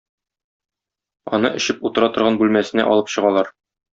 Аны эчеп утыра торган бүлмәсенә алып чыгалар.